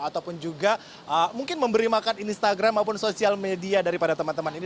ataupun juga mungkin memberi makan instagram maupun sosial media daripada teman teman ini